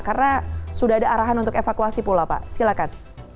karena sudah ada arahan untuk evakuasi pula pak silakan